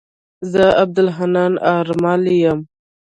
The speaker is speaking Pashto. زه عبدالحنان آرمل يم.